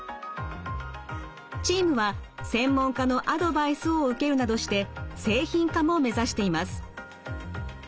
チームは専門家のアドバイスを受けるなどして製品化も目指しています。